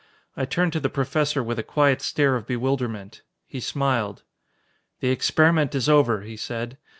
I turned to the Professor with a quiet stare of bewilderment. He smiled. "The experiment is over," he said.